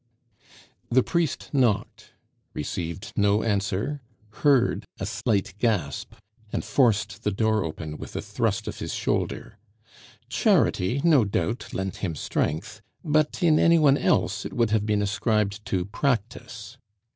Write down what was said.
The priest knocked, received no answer, heard a slight gasp, and forced the door open with a thrust of his shoulder; charity, no doubt lent him strength, but in any one else it would have been ascribed to practice.